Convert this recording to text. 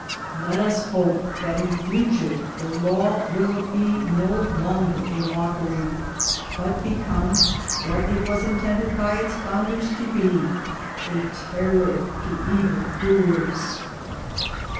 Let us hope that in 226 THE GOLD HUNTERS future the law will be no longer a mockery, but be come, what it was intended by its founders to be, 'a terror to evil doers.'